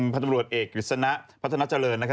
พันธุ์ตำรวจเอกวิศณะพัฒนาเจริญนะครับ